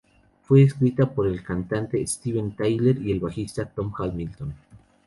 Fue escrita por el cantante Steven Tyler y el bajista Tom Hamilton.